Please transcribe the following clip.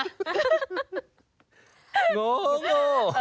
โง่